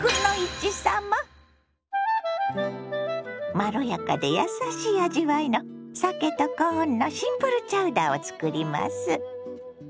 まろやかでやさしい味わいのさけとコーンのシンプルチャウダーを作ります。